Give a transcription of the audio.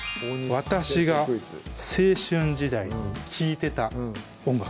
私が青春時代に聴いてた音楽